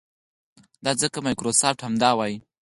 دا ځکه مایکروسافټ همدا وايي.